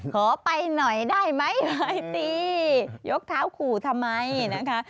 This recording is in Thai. ขอไปหน่อยได้ไหมไปตียกเท้าขู่ทำไมนะคะ